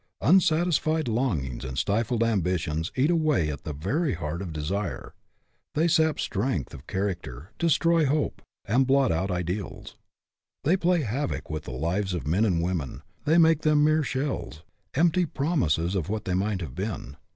Unsatisfied longings and stifled ambitions eat away the very heart of desire. They sap strength of character, destroy hope, and blot out ideals. They play havoc with the lives of men and women, they make them mere shells, empty promises of what they might have been.